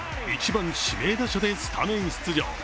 １番、指名打者でスタメン出場。